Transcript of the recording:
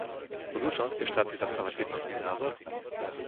Budú členské štáty zastávať jednotný názor?